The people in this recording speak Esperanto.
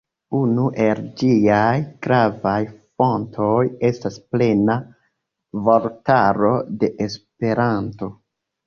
Unu el ĝiaj gravaj fontoj estas Plena Vortaro de Esperanto.